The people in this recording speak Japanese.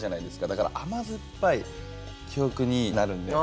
だから甘酸っぱい記憶になるんで。